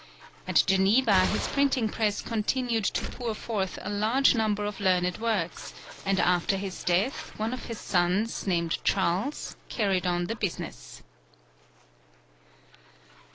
At Geneva his printing press continued to pour forth a large number of learned works, and after his death, one of his sons, named Charles, carried on the business.